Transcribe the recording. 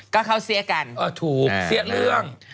ก็เขาเสียกันอ่อถูกเสียเรื่อง